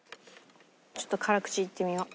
ちょっと辛口いってみよう。